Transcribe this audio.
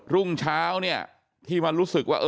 รุ่งเช้าเนี่ยที่มารู้สึกว่า